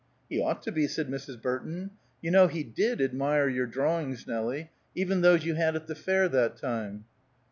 "He ought to be," said Mrs. Burton. "You know he did admire your drawings, Nelie; even those you had at the fair, that time."